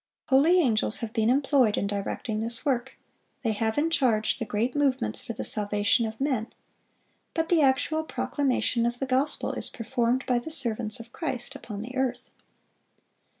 Holy angels have been employed in directing this work, they have in charge the great movements for the salvation of men; but the actual proclamation of the gospel is performed by the servants of Christ upon the earth.